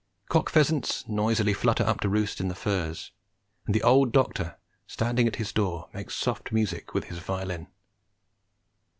Cock pheasants noisily flutter up to roost in the firs, and the old doctor standing at his door makes soft music with his violin.